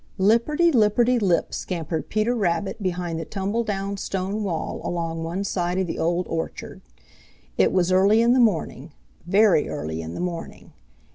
Lipperty lipperty lip scampered Peter Rabbit behind the tumble down stone wall along one side of the Old Orchard. It was early in the morning, very early in the morning.